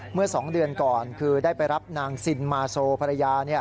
เมื่อ๒เดือนก่อนคือได้ไปรับนางซินมาโซภรรยา